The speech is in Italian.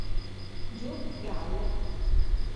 Joop Gall